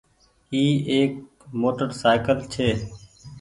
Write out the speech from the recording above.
اي ايڪ موٽر سآئيڪل ڇي۔